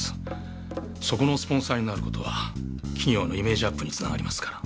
そこのスポンサーになることは企業のイメージアップにつながりますから。